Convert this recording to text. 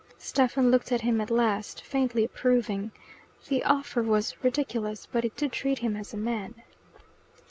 Stephen looked at him at last, faintly approving. The offer was ridiculous, but it did treat him as a man.